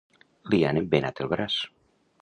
Li han embenat el braç.